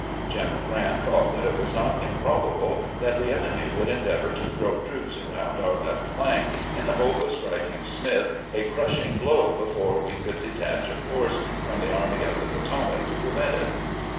General Grant thought that it was not improbable that the enemy would endeavor to throw troops around our left flank, in the hope of striking Smith a crushing blow before we could detach a force from the Army of the Potomac to prevent it.